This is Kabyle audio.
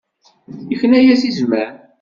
Yekna-as i zman.